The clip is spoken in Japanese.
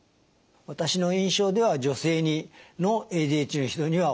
私の印象では女性のＡＤＨＤの人には多いように思います。